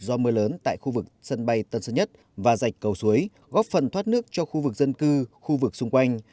do mưa lớn tại khu vực sân bay tân sơn nhất và dạch cầu suối góp phần thoát nước cho khu vực dân cư khu vực xung quanh